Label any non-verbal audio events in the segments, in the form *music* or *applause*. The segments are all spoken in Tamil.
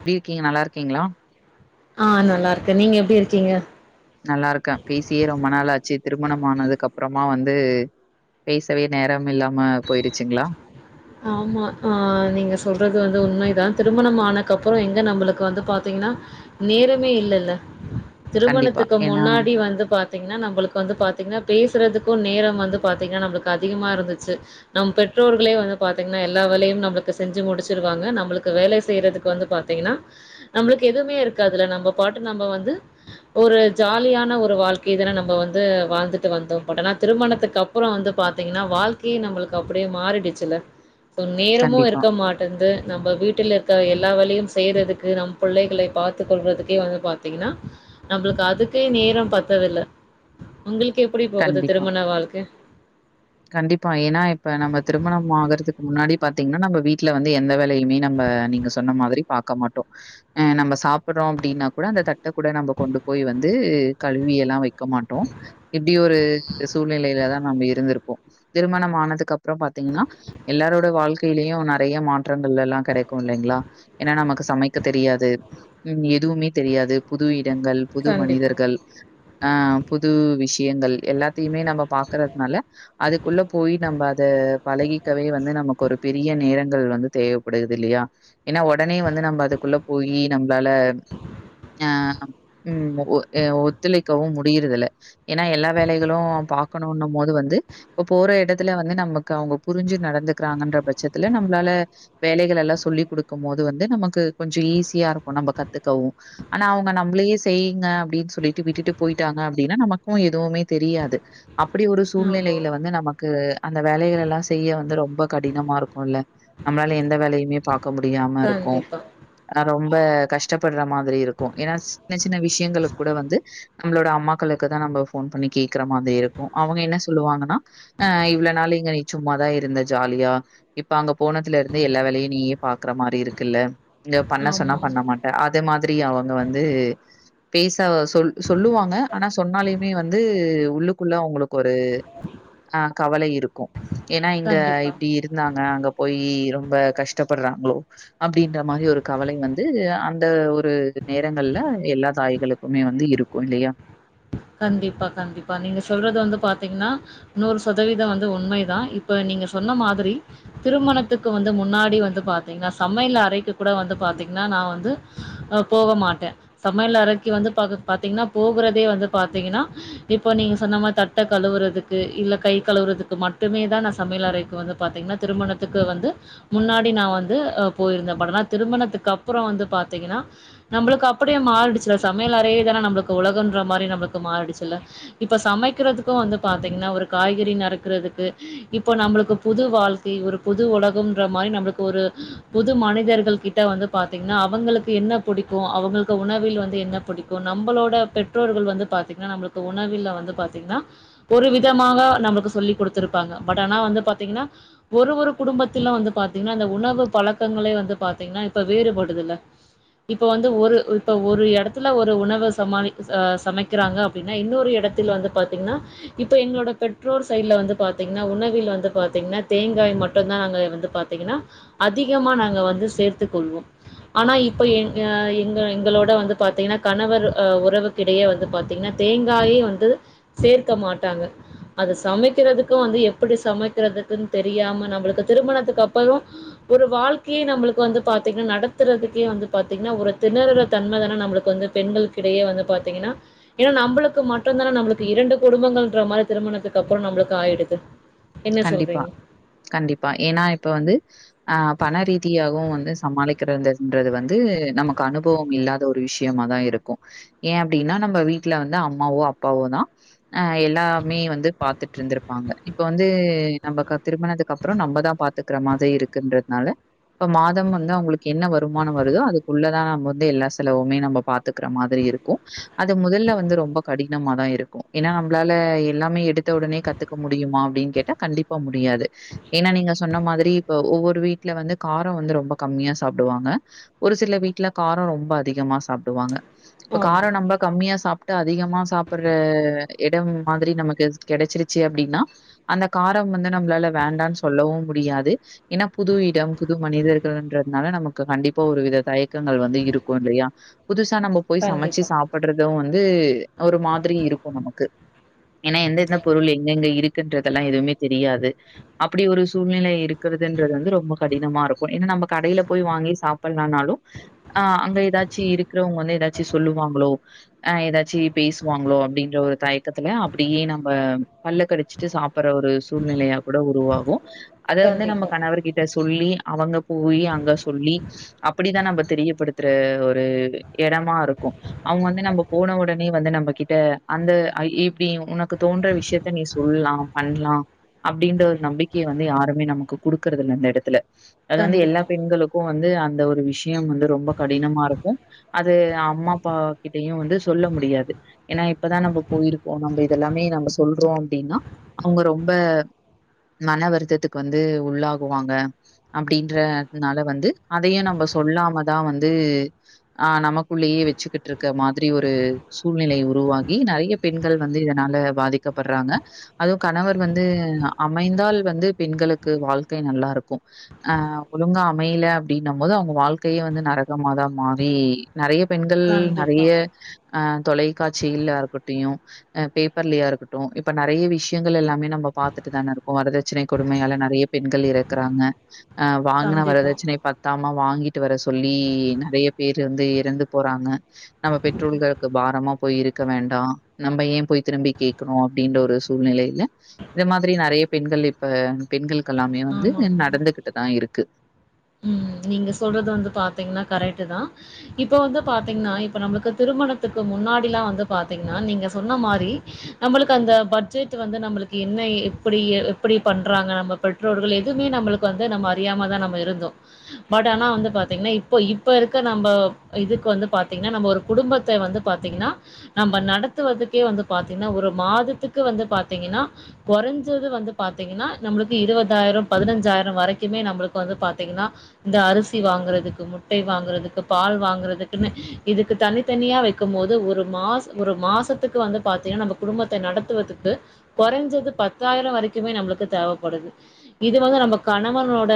எப்டி இருக்கீங்க நல்லா இருக்கீங்ளா ஆ நல்லா இருக்கே நீங்க எப்டி இருக்கீங்க நல்லா இருக்கே பேசியே ரொம்ப நாளாச்சு திருமணம் ஆனதுக் அப்புறமா வந்து பேசவே நேரம் இல்லாம போயிருச்சுங்ளா ஆமா ஆஹ நீங்க சொல்றது வந்து உண்மைதா திருமணம் ஆனக்கப்றோ எங்க நம்ளுக்கு வந்து பாத்தீங்கனா நேரமே இல்லல கண்டிப்பா. திருமணத்துக்கு ஏன்னா முன்னாடி வந்து பா பா்த்தீங்கனா நம்ளுக்கு வந்து பாத்தீங்கனா பேசுறதுக்கு நேரம் வந்து பாத்தீங்கனா நம்ளுக்கு அதிகமா இருந்துச்சு நம் பெற்றோர்களே வந்து பாத்தீங்கனா எல்லா வேலையு நம்ளுக்கு செஞ்சு முடிச்சிருவாங்க நம்ளுக்கு வேலை செய்யறதுக்கு வந்து பாத்தீங்கனா நம்ளுக்கு எதுவுமே இருக்காதுல நம்ப பாட்டுக் நம்ப வந்து ஒரு ஜாலியான ஒரு வாழ்க்கை தான நம்ப வந்து வாழ்ந்துட்டு வந்தோ பட் ஆனா திருமணத்துக்கு அ ப்புறோ வந்து பாத்தீங்கனா வாழ்க்கையே நம்ளுக்கு அப்டியே மாறிடுச்சுல்ல நேரமு கண்டிப்பா, இருக்க மாட் இருந்து நம்ப வீட்டில் இருக்கற எல்லா வெலையு செய்யறதுக்கு நம் புள்ளைகளை பார்த்துக் கொள்றதுக்கே வந்து பா த்தீங்கனா நம்ளுக்கு அதுக்கே நேரம் பத்ததில்ல உங்ளுக்கு எ ப்டி போகுது கண்டிப்பா. திருமண வாழ்க்க கண்டிப்பா ஏனா இப்ப நம்ம திருமணம் ஆகறதுக்கு முன்னாடி பாத்தீங்கனா நம்ப வீட்ல வந்து எந்த வேலையுமே நம்ப நீங்க சொன்ன மாதிரி பாக்க மாட்டோ அஹ நம்ம சாப்படுறோ அப்டின்னா கூட அந்த தட்ட கூட நம்ம கொண்டு போயி வந்து கழுவியல்லா வெக்க மாட்டோ இப்டி ஒரு சூழ்நிலையிலதா நாம்ப இருந்திருப்போ திருமணம் ஆனதுக் அப்றோ பாத்தீங்கனா எல்லாரோட வாழ்க்கையிலயு நெறைய மாற்றங்கள் எல்லா கெடைக்கு இல்லைங்களா ஏனா நமக்கு சமைக்க தெரியாது ம் எதுவுமே தெரியாது புது இடங்கள் புது கண்டிப்பா. மனிதர்கள் ஆ புது விஷயங்கள் எல்லாத்தையுமே நம்ப பாக்குறதுனால அதுக்குள்ள போயி நம்ப அத பழகிக்கவே வந்து நமக்கு ஒரு பெரிய நேரங்கள் வந்து தேவைப்படுது இல்லையா ஏனா உடனே வந்து நம்ம அதுக்குள்ள போயி நம்மளால ஆ ம் ஒத் ஒத்துழைக்கவும் முடியறதுல ஏனா எல்லா வேலைகளு பாக்கணுனும் போது வந்து இப்ப போற இடத்துல வந்து நமக்கு அவங்க புரிஞ்சு நடந்துக்கிறாங்கன்ற பட்சத்துல நம்மளால வேலைகள் எல்லாம் சொல்லி் குடுக்கும் போது வந்து நமக்கு கொஞ்ச ஈஸியா இருக்கு நம்ம கத்துக்கவு ஆனா அவங்க நம்மளையே செய்யுங்க அப்டின்னு சொல்லிட்டு விட்டுட்டு போயிட்டாங்க அப்டின்னா நமக்கு எதுவுமே தெரியாது அப்டி ஒரு ஆமா. சூழ்நிலையில வந்து நமக்கு அந்த வேலைகள் எல்லா செய்ய வந்து ரொம்ப கடினமா இருக்குல்ல நம்மளால எந்த வேலையுமே பாக்க முடியாம இருக்கு கண்டிப்பா. ஆ ரொம்ப கஷ்டப்படுற மா திரி இருக்கு ஏனா சின்ன சின்ன விஷயங்க கூட வந்து நம்மளோட அம்மாக்களுக்கு தா நம்ப ஃபோன் பண்ணி கேக்கற மாதிரி இருக்கு அவங்க என்ன சொல்லுவாங்கனா ஆ இவ்வள நாள் இங்க நீ சும்மாவா இருந்தே ஜாலியா இப்ப அங்க போனதுல இருந்து எல்லா வேலையு நீயே பாக்குற மாரி இருக்குல்ல இங்க பண்ண சொன்னா ஆமா. பண்ண மாட்ட யாதே மாதிரி அவுங்க வந்து பேச சொல் சொல்லுவாங்க ஆனா சொன்னாலயுமே வந்து உள்ளுக்குள்ள அவுங்களுக்கு ஒரு ஆ கவலை இருக்கு ஏன்னா இங்க கண்டிப்பா. இப்டி இரு நாங்க அங்க போய் ரொம்ப கஷ்டப்படுறாங்களோ அப்டின்ற மாரி ஒரு கவலை வந்து அந்த ஒரு நேரங்கள்ல எல்லா தாய்களுக்குமே வந்து இருக்கு கு இல்லையா கண்டிப்பா கண்டிப்பா நீங்க சொல்றது வந்து பாத்திங்ன்னா நூறு சதவீதொ வந்து உண்மைதா இப்ப நீங்க சொன்ன மாதிரி திருமணத்துக்கு வந்து முன்னாடி வந்து பாத்தீங்னா சமயல் அறைக்கு கூட வந்து பாத்தீங்னா நா வந்து போக மாட்டே சமயல் அறைக்கு வந்து பா பாத்திங்கன்னா போகுறதே வந்து பாத்திங்கன்னா இப்போ நீங்க சொன்ன மார் தட்ட கழுவுறதுக்கு இல்ல கை கழுவுறதுக்கு மட்டுமே தா நா சமயல் அறைக்கு வந்து பாத்திங்கன்னா திருமணத்துக்கு வந்து முன்னாடி நா வந்து போயிருந்தே பட் ஆனா திருமணத்துக்கு அப்புறொ வந்து பாத்திங்கன்னா நம்பளுக்கு அப்டியே மாறிடுச்சுல சமையல் அறையே தானே நம்பளுக்கு உலகன்ற மாரி நம்மபளுக்கு இப்ப மாறிடுச்சுல்ல இப்ப சமைக்கிறதுக்கு வந்து பாத்திங்கன்னா ஒரு காய்கறி நறுக்குறதுக்கு இப்ப நம்பளுக்கு புது வாழ்க்கை ஒரு புது ஒலகம்ன்ற மாரி நம்பளுக்கு ஒரு புது மனிதர்கள் கிட்ட வந்து பாத்திங்ன்னா அவுங்களுக்கு என்ன புடிக்கு அவுங்களுக்கு உணவில் வந்து என்ன புடிக் கு நம்பளோட பெற்றோர்கள் வந்து பாத்திங்கன்னா நம்மளுக்கு உணவில வந்து பாத்திங்கன்னா ஒரு விதமாக நமக்கு சொல்லி குடுத்துருப்பாங்க பட் ஆனா வந்து பாத்திங்கன்னா ஒரு ஒரு குடும்பத்தில வந்து பாத்திங்னா இந்த உணவு பழக்கங்களே வந்து பாத்திங்னா இப்ப வேறுபடுதுல இப்ப வந்து ஒரு இப்ப ஒரு எடத்துல ஒரு உணவு சமாளி சமைக் க்கிறாங்க அப்டின்னா இன்னொரு எடத்தில் வந்து பாத்திங்கன்னா இப்ப எங்ளோட பெற்றோர் சைட்ல வந்து பாத்திங்ன்னா உணவில் வந்து பாத்திங்ன்னா தேங்காய் மட்டுந் தா நாங்க வந்து பாத் திங்கன்னா அதிகமா நாங்க வந்து சேர்த்துக் கொள்வோம் ஆனா இப்ப எ எங்க எங்களோட வந்து பாத்திங்ன்னா கணவர் அ உறவுக்கிடையே வந்து பாத்திங்ன்னா தேங்காயே வந்து சேர்க்க மாட்டாங்க அது சமைக்கிறதுக்கு வந்து எப்புடி சமைக்கிறதுக்குன்னு தெரியாம நம்பளுக்கு திருமணத்துக் அப்பறொ ஒரு வாழ்க்கையே நம்மளுக்கு வந்து பாத்திங்கன்னா நடத்துறதுக்கே வந்து பாத்திங்ன்னா ஒரு திணறுற தன்ம தானே நம்மளுக்கு வந்து பெண்களுக்கிடையே வந்து பாத்திங்கன்னா ஏன்னா நம்பளுக்கு மட்டுந் தான நம்ளுக்கு இரண்டு குடும்பங்கள்ன்ற மாரி திருமணத்துக்கு அப்பறொ நம்பளுக்கு ஆயிடுது என்ன கண்டிப்பா சொல்றீங்க? கண்டிப்பா ஏன்னா இப்ப வந்து அ பண ரீதியாகு வந்து *unintelligible* வந்து நமக்கு அனுபவம் இல்லாத ஒரு விஷ்யமா தா இருக்கு ஏ அப்டின்னா நம்ம வீட்டுல வந்து அம்மாவோ அப்பாவோதா அ எல்லாமே வந்து பாத்துட்ருந்திருப்பாங்க இப்ப வந்து வந்து நம்மகு திருமணதுக்கு அப்பறொ நம்மதா பாத்துக்கிற மாதிரி இருக்குன்றதுனால இப்ப மாதம் வந்து அவுங்களுக்கு என்ன வருமானம் வருதோ அதுக்குள்ளதா நம்ம வந்து எல்லா செலவுமே நம்ம பாத்துக்குற மாதிரி இருக்கு கு அது முதல்ல வந்து ரொம்ப கடினமா தா இருக்கு ஏன்னா நம்ப்ளால எல்லாமே எடுத்த உடனே கத் துக்க முடியுமா அப்டின் கேட்டா கண்டிப்பா முடியாது ஏன்னா நீங்க சொன்ன மாதிரி இப்ப ஒவ்வொரு வீட்டுல வந்து காரொ வந்து ரொம்ப கம்மியா சாப்டுவாங்க ஒரு சில வீட்ல காரொ ரொம்ப அதிகமா சாப்டுவாங்க இப்ப ஆமா. காரொ நம்ப கம்மியா சாப்ட்டு அதிகமா சாப்புட்ற எடம் மாதிரி நமக்கு கெடைச்சிருச்சு அப்டின்னா அந்த காரம் வந்து நம்ப்ளால வேண்டான்னு சொல்லவு முடியாது ஏன்னா புது இடம் புது மனிதர்கள்ன்றதுனால நமக்கு கண்டிப்பா ஒரு வித தயக்கங்கள் வந்து இருக்கு இல்லையா புதுசா நம்ப போய் சமைச்சு கண்டிப்பா, சாப்புட்றது வந்து ஒரு மாதிரி இருக்கு நமக்கு ஏன்னா எந்தெந்த பொருள் எங்கெங்க இருக்குன்றதெல்லா எதுவுமே தெரியாது அப்டி ஒரு சூழ்நிலை இருக்கறதுன்றது வந்து ரொம்ப கடினமா இருக்கு ஏன்னா நம்ம கடையில போய் வாங்கி சாப்பிட்லனாலு ஆ அங்க ஏதாச்சு இருக்கறவங்க வந்து ஏதாச்சு சொல்லுவாங்களோ ஆ ஏதாச்சு பேசுவாங்களோ அப்டின்ற ஒரு தயக்கத்துல அப்டியே நம்ம பல்ல கடிச்சிட்டு சாப் அப்பற ஒரு சூழ்நிலையா கூட உருவாகு அத வந்து நம்ம கண்டிப்பா, கணவர்கிட்ட சொல்லி அவங்க போயி அங்க சொல்லி அப்படிதா நம்ம தெரியப்படுத்துற ஒரு எடமா இருக்கு அவுங்க வந்து நம்ம போன ஒடனே வந்து நம்மக்கிட்ட அந்த ஆ இப்டி உனக் க்கு தோன்ற விஷயத்த நீ சொல்லலா பண்லா அப்டின்ற ஒரு நம்பிக்கைய வந்து யாருமே நமக்கு குடுக்கறது இல்ல அந்த எடத்துல அது வந்து எல்லா கண்டிப்பா, பெண்களுக்கு வந்து அந்த ஒரு விஷ் யம் வந்து ரொம்ப கடினமா இருக்கு அது அம்மா அப்பாக்கிட்டையு வந்து சொல்ல முடியாது ஏன்னா இப்பதா நம்ப போயிருக்கோ நம்ப இதெல்லாமே நம்ப சொல்றோ அப்டின்னா அவுங்க ரொம்ப மன வருத்தத்துக்கு வந்து உள்ளாகுவாங்க அப்டின்றதனால வந்து அதையு நம்ம சொல்லாமதா வந்து ஆ நமக்குள்ளேயே வச்சுக்கிட்டு இருக்க மாதிரி ஒரு சூழ்நிலை உருவாகி நெறைய பெண்கள் வந்து இதனால பாதிக்கப்படுறாங்க அதுவு கணவர் வந்து அமைந்தால் வந்து பெண்களுக்கு வாழ்க்கை நல்லா இருக்கு ஆ ஒழுங்கா அமையல அப்டின்னும் போது அவங்க வாழ்க்கையே வந்து நரகமாதா மாறி நறைய பெண்கள் கண்டிப்பா, நறைய ஆ தொலைக்காட்சியில்லயா இருக்கட்டியு ஆ பேப்பர்லயா இருக்கட்டு இப்ப நறைய விஷ் யங்கள் எல்லாமே நம்ம பாத்துட்டு தானே இருக்கோ வரதட்சணை கொடுமையால நெறைய பெண்கள் இறக்குறாங்க ஆ வாங்குன கண்டிப்பா. வரதட்சணை பத் தாம வாங்கிட்டு வர சொல்லி நெறைய பேரு வந்து இறந்து போறாங்க நம்ம பெற்றோர்களுக்கு பாரமா போய் இருக்க வேண்டா நம்ப ஏ போய் திரும்பி கேக்கணு அப்டின்ற ஒரு சூழ்நிலையில இந்த மாதிரி நெறைய பெண்கள் இப்ப பெண்களுக்கு எல்லாமே வந்து ஆமாங்க. நடந்துக்கிட்டு தா இருக்கு ம் நீங்க சொல்றது வந்து பாத்தீங்கன்னா கரெட்டு தா இப்ப வந்து பாத்தீங்கன்னா இப்ப நம்மக்கு திருமணத்துக்கு முன்னாடி எல்லா வந்து பாத்தீங்கன்னா நீங்க சொன்ன மாரி நம்பளுக்கு அந்த பட்ஜெட் வந்து நம்பளுக்கு என்ன எப்டி எப்டி பண்றாங்க நம்ம பெற்றோர்கள் எதுவுமே நம்மளுக்கு வந்து நம்ம அறியாம தா நம்ம இருந்தோ பட் ஆனா வந்து பாத்திங்கன்னா இப்போ இப்போ இருக்க நம்ப இதுக்கு வந்து பாத்திங்கன்னா நம்ப ஒரு குடும்பத்த வந்து பாத்திங்கன்னா நம்ம நடத்துவதுக்கே வந்து பாத்தீங்கன்னா ஒரு மாதத்துக்கு வந்து பாத்தீங்கன்னா கொறஞ்சது வந்து பாத்தீங்கன்னா நம்மளுக்கு இருவதாயிர பதினஞ்சாயிர வரைக்குமே நம்மளுக்கு வந்து பாத்தீங்கன்னா இந்த அரிசி வாங்கறதுக்கு முட்டை வாங்குறதுக்கு பால் வாங்குறதுக்குன்னு இதுக்கு தனித்தனியா வைக்கும் போது ஒரு மாச ஒரு மாசத்துக்கு வந்து பாத்தீங்கன்னா நம்ப குடும்பத்த நடத்துவதுக்கு கொறைஞ்சது பத்தாயிர வரைக்குமே நம்மளுக்கு தேவைப்படுது இது வந்து நம்ம கணவனோட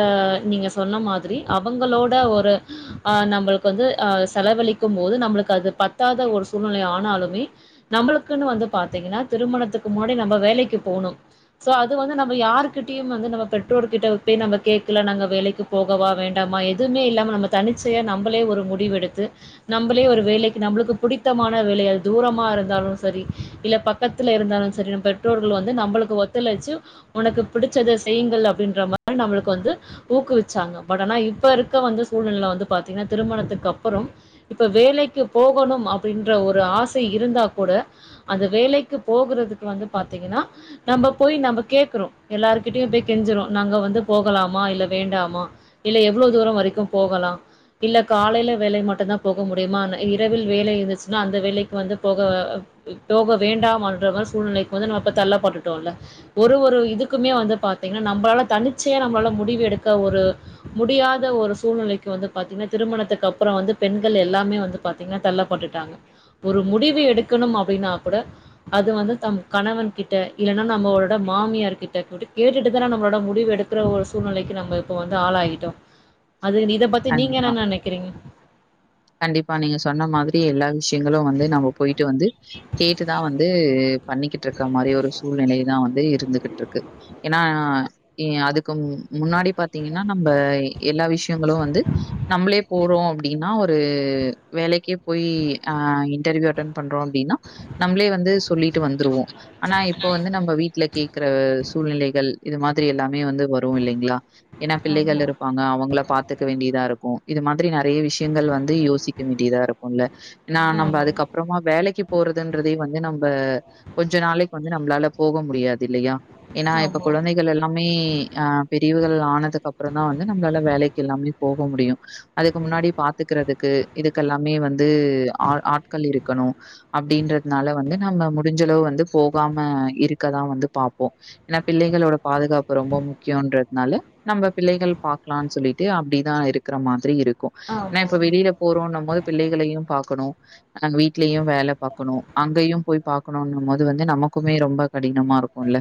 நீங்க சொன்ன மாதிரி அவங்களோட ஒரு ஆ நம்பளுக்கு வந்து ஆ செலவழிக்கும் போது நம்பளுக்கு அது பத்தாத ஒரு சூழ்நிலை ஆனாலுமே நம்மளுக்குன்னு வந்து பாத்தீங்கன்னா திருமணத்துக்கு முன்னாடி நம்ப வேலைக்கு போனோ சோ அது வந்து நம்ம யாருகிட்டயு வந்து நம்ம பெற்றோர்கிட்ட போய் நம்ம கேட்கல நாங்க வேலைக்கு போ கவா வேண்டாமா எதுவுமே இல்லாம நம்ம தனிச்சையா நம்பளே ஒரு முடிவெடுத்து நம்பளே ஒரு வேலைக்கு நம்பளுக்கு புடித்தமான வேலையா தூரமா இருந்தாலு சரி இல்ல பக் கத்துல இருந்தாலு சரி பெற்றோர்கள் வந்து நம்பளுக்கு ஒத்துழச்சு ஒனக்கு புடிச்சத செய்யுங்கள் அப்டின்ற மாரி நம்மளுக்கு வந்து ஊக்குவிச் சாங்க பட் ஆனா இப்ப இருக்க வந்து சூழ்நெல வந்து பாத்தீங்கன்னா திருமணத்துக்கு அப்புறம் இப்ப வேலைக்கு போகணும் அப்டின்ற ஒரு ஆசை இருந்தா கூட அந்த வேலைக்குப் போகுறதுக்கு வந்து பாத்தீங்கனா நம்ப போய் நம்ப கேக்றோ எல்லாருகிட்டியும் போய் கெஞ்சிரோ நாங்க வந்து போகலாமா இல்ல வேண்டாமா இல்ல எவ்ளோ தூரோ வரிக்கும் போகலா இல்லக் காலைல வேலை மட்டுந்தா போக முடியுமான இரவில் வேலை இருந்துச்னா அந்த வேலைக் வந்துப் போக தோக வேண்டாம் அன்ற மாரி சூழ்நிலைக்கு வந்து நம்ம தள்ளபட்டுட்டோல்ல ஒரு ஒரு இதுக்குமே வந்து பாத்தீங்கனா நம்பளால தனிச்சையா நம்ளால முடிவு எடுக்க ஒரு முடியாத ஒரு சூழ்நிலைக்கு வந்துப் பாத்தீங்கனா திருமணத்துக்கு அப்றோ வந்து பெண்கள் எல்லாமே வந்துப் பா்த்தீங்னா தள்ளப்பட்டுட்டாங்க ஒரு முடிவு எடுக்கணும் அப்டினாக் கூட அது வந்து தம் கணவன் கிட்ட இல்னனா நம்மோட மாமியார் கிட்ட கூட கேட்டுட்டுதான நா நம்ளோட முடிவு எடுக் க்ற ஒரு சூழ்நிலைக்கு நம்ம இப்ப வந்து ஆளாகிட்டோ அது நிதப் பத்தி நீங்க கண்டிப்பா. என்னா நெனைக்கிறீங்க கண்டிப்பா நீங்க சொன்ன மாதிரி எல்லா விஷ்யங்களு வந்து நம்ம போயிட்டு வந்து கேட்டுதா வந்து பண்ணிக்கிட்ருக்கா மாரி ஒரு சூழ்நிலைதா வந்து இருந்துகிட்ருக்கு எனா இ அதுக்கும் முன்னாடிப் பாத்தீங்கினா நம்ப எல்லா விஷ்யங்களு வந்து நம்ளேப் போறோ அப்டினா ஒரு வேலைக்கே போய் அ இன்டர்வியூ அட்டன் பண்றோ அப்டினா நம்ளே வந்து சொல்லிட்டு வந்துருவோ அனா இப்போ வந்து நம்ப வீட்ல கேக் க்ற சூழ்நிலைகள் இது மாதிரி எல்லாமே வந்து வரு இல்லிங்ளா எனாப் பிள்ளைகள் ஆமா இருப்பாங்க அவங்ளப் பாத்துக்க வேண்டியதா இருக்கு இது மாதிரி நெறைய விஷ்யங்கள் வந் து யோசிக்க வேண்டியதா இருக்குல்ல நா நம்ப ஆமா அதுக்கப்றமா வேலைக்குப் போறதுன்றதே வந்து நம்ப கொஞ்ச நாளைக் வந்து நம்ளாலப் போக முடியாது இல்லியா எனா இப்ப ஆமா குழந்தைக் கள் எல்லாமே அ பிரிவுகள் ஆனதுக்கப்றந்தா வந்து நம்ளால வேலைக்கெல்லாமே போக முடியு அதுக்கு முன்னாடி பாத்துக்றதுக்கு இதுக்கெல்லாமே வந்து ஆ ஆட்கள் இருக்கணு அப்டின்றத்னால வந்து நம்ம முடிஞ்சளவு வந்து போகாம இருக்கதா வந்து பாப்போ எனாப் பிள்ளைகளோட பாதுகாப்பு ரொம்ப முக்கியோன்றத்னால நம்ப பிள்ளைகள் பாக்லான் சொல்லிட்டு அப்டிதா இருக்ற மாதிரி இருக்கு நா ஆமா இப்ப வெளிலப் போறோன்னும்மோது பிள்ளைகளையும் பாக்கணு அங் வீட்லியு வேலப் பாக்கணு அங்கயும் போய் பாக்கணுன்னும்மோது வந்து நமக்குமே ரொம்பக் கடினமா இருக்குல்ல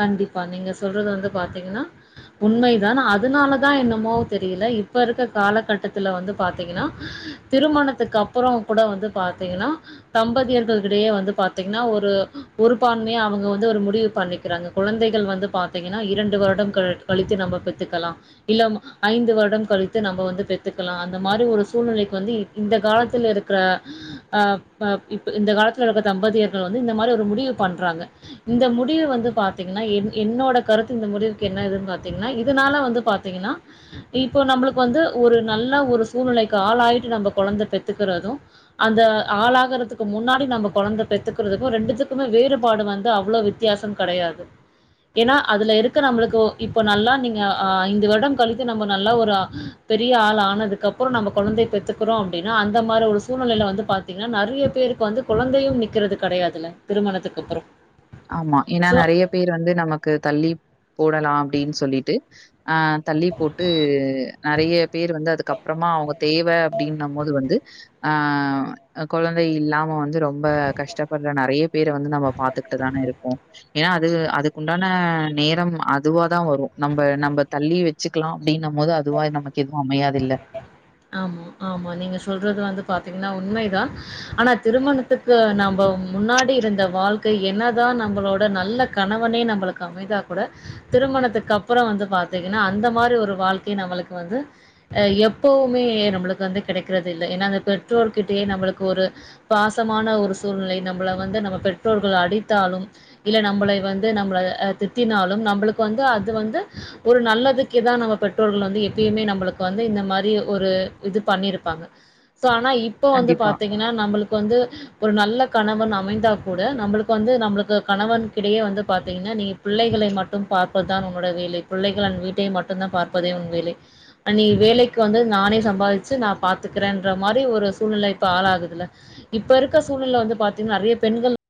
கண்டிப்பா நீங்க சொல்றது வந்து பாத்தீங்னா உண்மைதான் அதனாலதா என்னமோ தெரியல இப்ப இருக்க காலகட்டத்துல வந்து பாத்தீங்கினா திருமணத்துக்கு அப்றோங் கூட வந்து பாத்தீங்கினா தம்பதியர்கள்கிடையே வந்து பாத்தீங்னா ஒரு ஒருபான்மைய அவுங்க வந்து ஒரு முடிவுப் பண்ணிக் கிறாங்க குழந்தைகள் வந்து பாத்தீங்கனா இரண்டு வருடம் கழட் கழித்து நம்ப பெத்துக்கலா இல்லம் ஐந்து வருடம் கழித்து நம்ப வந்து பெத்துக்கலா அந்த மாரி ஒரு சூழ்நிலைக்கு வந்து இப் இந்த காலத்துல இருக்ற அ ப இப்ப இந்த காலத்துல இருக்க தம்பதியர்கள் வந்து இந்த மாரி ஒரு முடிவுப் பண்றாங்க இந்த முடிவு வந்துப் பாத்தீங்னா என் என்னோடக் கருத்து இந்த முடிவுக்கு என்ன இதுன் பாத்தீங்னா இதுனால வந்து பாத்தீங்கினா இப்போ நம்மளுக்கு வந்து ஒரு நல்ல ஒரு சூழ்நிலைக்கு ஆளாயிட்டு நம்ப கொழந்த பெத்துக்கறது அந்த ஆளாகறதுக்கு முன்னாடி நம்ப கொழந்த பெத்துக்கிறதுக்கு ரெண்டுத்துக்குமே வேறுபாடு வந்து அவ்ளோ வித்யாசம் கடையாது எனா அதுல இருக்க நம்ளுக்கோ இப்போ நல்லா நீங்க ஆ ஐந்து வருடம் கழித்து நம்ப நல்லா ஒரு ஆ பெரிய ஆள் ஆனதுக்கப்பறோ நம்ப கொழந்தையப் பெத்துக்குறோ அப்டினா அந்த மாரி ஒரு சூழ்நிலைல வந்துப் பாத் தீங்னா நெறையப் பேருக்கு வந்து குழந்தையும் நிக்கிறது கெடையாதுல திருமணத்துக்கப்பறோ ஆமா எனா நெறையப் பேர் வந்து நமக்கு தள்ளிப் போடலா அப்டின் சொல்லிட்டு ஆ தள்ளி போட்டு நெறைய பேர் வந்து அதுக்கப்பறமா அவங்க தேவை அப்படின்ன போது வந்து ஆ கொழந்தை இல்லாம வந்து ரொம்ப கஷ்டப்படுற நிறைய பேர வந்து நம்ப பாத்து ட்டுதானே இருக்கோ ஏன்னா அது அதுக்குண்டான நேரம் அதுவாதா வரு நம்ப நம்ப தள்ளி வச் சுக்கலா அப்படின்னும் போது அதுவா நமக்கு எதுவு அமையாதுல்ல ஆமா ஆமா நீங்க சொல்றது வந்து பாத்தீங்ன்னா உண்மைதா ஆனா திருமணத்துக்கு நம்ப முன்னாடி இருந்த வாழ்க்கை என்ன தா நம்பளோட நல்ல கணவனே நம்பளுக்கு அமைதா கூட திருமணத்துக்கு அப்புற வந்து பாத்தீங்கன்னா அந்த மாரி ஒரு வாழ்க்கை நம்மளுக் வந்து எப் போமே நம்மளுக்கு வந்து கிடைக்கிறது இல்லை ஏன்னா அந்த பெற்றோர்கிட்டயே நம்மளுக்கு ஒரு பாசமான ஒரு சூழ்நிலை நம்பள வந்து நம்ம பெற்றோர்கள் அடித்தாலும் இல்ல நம்பளை வந்து நம்பள தித்தினாலும் நம்பளுக்கு வந்து அது வந்து ஒரு நல்லது கி தா நம்ம பெற்றோர்கள் வந்து எப்பயுமே நம்மளுக்கு வந்து இந்த மா ரி ஒரு இது பண்ணியிருப்பாங்க சோ ஆனா இப்ப வந்து கண்டிப்பா. பாத்தீங்ன்னா நம்பளுக் வந்து ஒரு நல்ல கணவன் அமைந்தா கூட நம்பளுக்கு வந்து நம்பளுக்கு கணவன் கிடையே வந்து பாத்தீங்ன்னா நீ புள்ளைகளை மட்டும் பார்ப்பது தான் உன்னுடைய வேலை புள்ளைகள் அன் வீட்டை மட்டுதா பார்ப்பதே உன் வேலை அ நீ வேலை க்கு வந்து நானே சம்பாதிச்சு நா பாத்துக்கிறேன்ற மாரி ஒரு சூழ்நிலை இப்ப ஆளாகுதுல்ல இப்ப இருக்க சூழ்நில வந்து பாத்தீங்ன்னா நெறய பெண்கள்